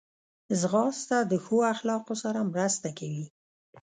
ځغاسته د ښو اخلاقو سره مرسته کوي